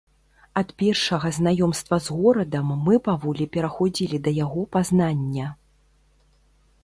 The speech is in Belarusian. Ад першага знаёмства з горадам мы паволі пераходзілі да яго пазнання.